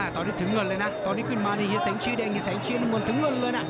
ตอนนี้ถึงเงินเลยนะตอนนี้ขึ้นมานี่เฮีแสงชี้แดงเฮีแสงชี้น้ำเงินถึงเงินเลยนะ